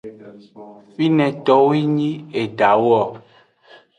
Fine towo nyi edawo.